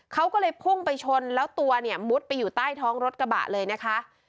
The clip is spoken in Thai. เขาก็เลยพุ่งไปชนแล้วตัวเนี่ยมุดไปอยู่ใต้ท้องรถกระบะเลยนะคะ